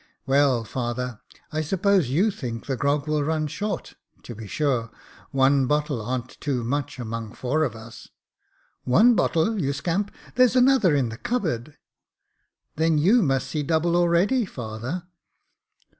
" Well, father, I suppose you think the grog will run short. To be sure, one , bottle aren't too much 'mong four of us." " One bottle, you scamp ! there's another in the cup board." *' Then you must see double already, father.